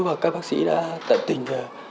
và các bác sĩ đã tận tình